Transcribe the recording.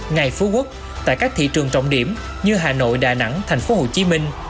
ngày phú quốc tại các thị trường trọng điểm như hà nội đà nẵng tp hcm